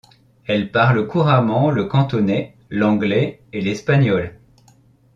Elle parle couramment le cantonais, l'anglais et l'espagnol.